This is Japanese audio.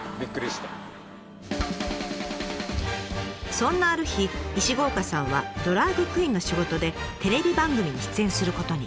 そんなある日石郷岡さんはドラァグクイーンの仕事でテレビ番組に出演することに。